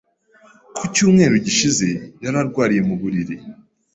Ku cyumweru gishize, yari arwariye mu buriri.